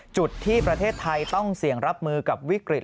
จุดที่ประเทศไทยต้องเสี่ยงรับมือกับวิกฤต